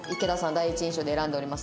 第一印象で選んでおります